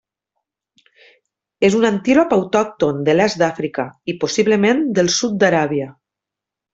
És un antílop autòcton de l'est d'Àfrica i, possiblement, del sud d'Aràbia.